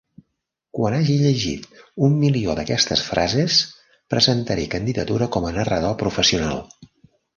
Quan hagi llegit un milió d'aquestes frases, presentaré candidatura com a narrador professional.